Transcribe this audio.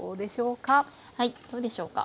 はいどうでしょうか。